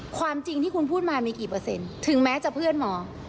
ความจริงที่คุณพูดมามีกี่เปอร์เซ็นต์ถึงแม้จะเพื่อนหมอ